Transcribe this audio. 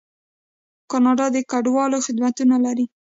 کاناډا د کډوالو خدمتونه لري.